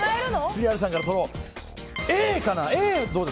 杉原さんからとろう。